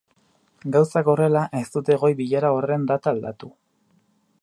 Gauzak horrela, ez dute goi-bilera horren data aldatu.